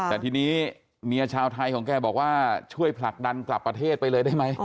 แต่ทีนี้เมียชาวไทยของแกบอกว่าช่วยผลักดันกลับประเทศไปเลยได้ไหม